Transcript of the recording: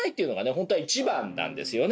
本当は一番なんですよね。